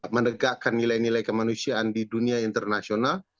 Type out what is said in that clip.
menegakkan nilai nilai kemanusiaan di dunia internasional